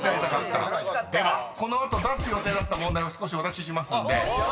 ではこの後出す予定だった問題を少しお出ししますんで］